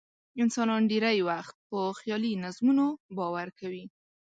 انسانان ډېری وخت په خیالي نظمونو باور کوي.